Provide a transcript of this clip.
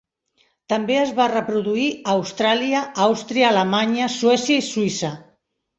També es va reproduir a Austràlia, Àustria, Alemanya, Suècia i Suïssa.